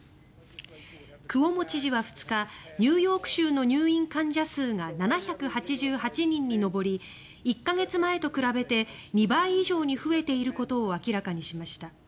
クオモ知事は２日ニューヨーク州の入院患者数が７８８人に上り１か月前と比べて２倍以上に増えていることを明らかにしました。